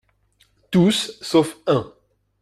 Tous, sauf un